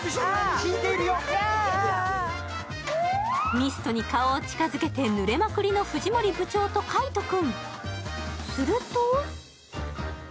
ミストに顔を近づけて、ぬれまくりの藤森部長と海音君。